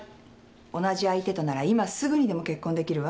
同じ相手となら今すぐにでも結婚できるわ。